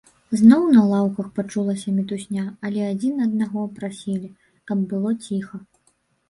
Зноў на лаўках пачулася мітусня, але адзін аднаго прасілі, каб было ціха.